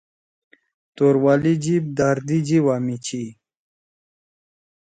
توروالی جیِب داردی جیِبا می چھی۔